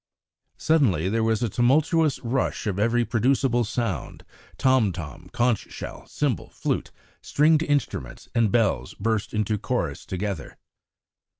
Suddenly there was a tumultuous rush of every produceable sound; tom tom, conch shell, cymbal, flute, stringed instruments and bells burst into chorus together.